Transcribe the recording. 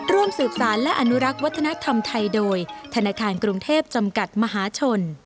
ร่วมสืบสารและอนุรักษ์วัฒนธรรมไทยโดยธนาคารกรุงเทพจำกัดมหาชน